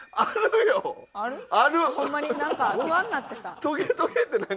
ホンマになんか不安になってさ。